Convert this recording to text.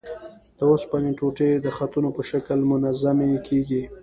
د اوسپنې ټوټې د خطونو په شکل منظمې کیږي.